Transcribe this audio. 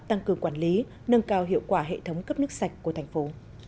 tăng cường quản lý nâng cao hiệu quả hệ thống cấp nước sạch của thành phố